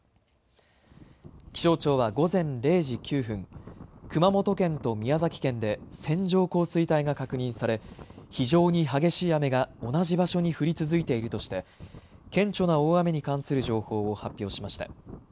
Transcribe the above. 気象庁は午前０時９分、熊本県と宮崎県で線状降水帯が確認され非常に激しい雨が同じ場所に降り続いているとして顕著な大雨に関する情報を発表しました。